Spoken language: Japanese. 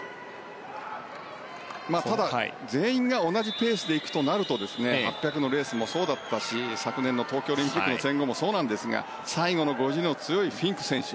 ただ、全員が同じペースで行くとなると８００ｍのレースもそうだったし昨年の東京オリンピックの１５００ｍもそうなんですが最後の５０の強いフィンク選手